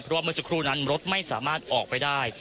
เพราะว่าเมื่อสักครู่นั้นรถไม่สามารถออกไปได้